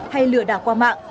hay lừa đảo qua mạng